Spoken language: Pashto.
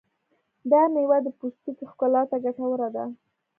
دا مېوه د پوستکي ښکلا ته ګټوره ده.